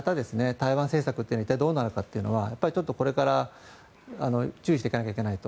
台湾政策というのが一体どうなるかっていうのはこれから注意していかないといけないと。